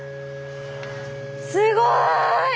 すごい！